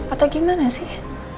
atau gimana sih